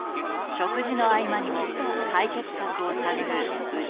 食事の合間にも解決策を探る内田と長澤。